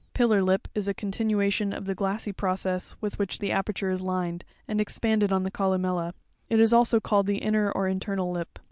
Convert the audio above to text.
Piliar lip, is a continuation of the glassy process with which the aperture is lined, and expanded on the columella (figs. 58 and 66). It is also called the inner or internal lip (fig.